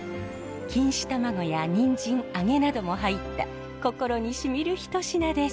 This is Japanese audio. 錦糸卵やニンジン揚げなども入った心にしみる一品です。